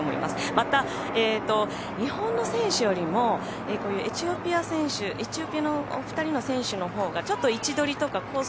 また、日本の選手よりもこういうエチオピアのお２人の選手のほうが位置取りとかコース